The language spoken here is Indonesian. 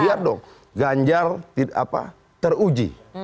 biar dong ganjar teruji